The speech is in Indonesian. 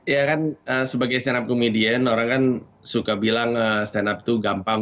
ya kan sebagai stand up comedian orang kan suka bilang stand up itu gampang